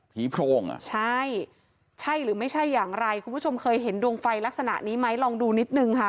โพรงอ่ะใช่ใช่หรือไม่ใช่อย่างไรคุณผู้ชมเคยเห็นดวงไฟลักษณะนี้ไหมลองดูนิดนึงค่ะ